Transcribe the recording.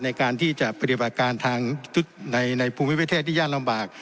ในการที่จะปฏิบัติการทางชุดในภูมิประเทศที่ยากลำบาก